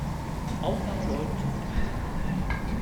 Aufnahme läuft.